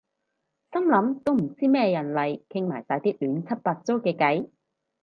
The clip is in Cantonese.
心諗都唔知咩人嚟傾埋晒啲亂七八糟嘅偈